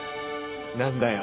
何だよ